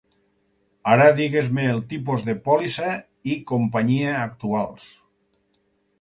Ara digues-me el tipus de pòlissa i companyia actuals.